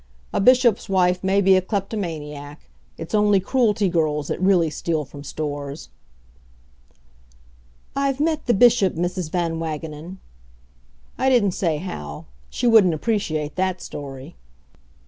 A bishop's wife may be a kleptomaniac; it's only Cruelty girls that really steal from stores. "I've met the Bishop, Mrs. Van Wagenen." I didn't say how she wouldn't appreciate that story.